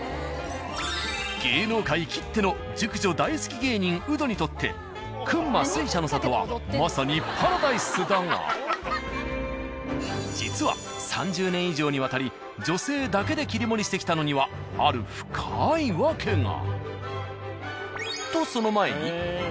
芸能界きっての熟女大好き芸人ウドにとってくんま水車の里はまさにパラダイスだが実は３０年以上にわたり女性だけで切り盛りしてきたのにはある深いワケが。